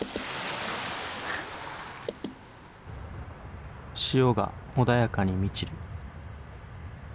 潮が穏やかに満ちる。